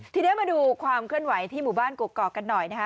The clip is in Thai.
ทีนี้มาดูความเคลื่อนไหวที่หมู่บ้านกกอกกันหน่อยนะคะ